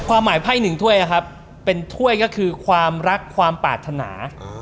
ความหมายไพ่๑ถ้วยครับเป็นถ้วยก็คือความรักความปรารถนา